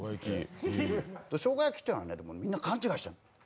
しょうが焼きっていうのはみんな勘違いしてる。